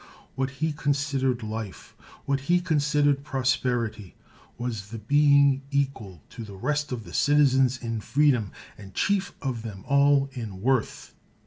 What he considered life, what he considered prosperity, was the being equal to the rest of the citizens in freedom, and chief of them all in worth.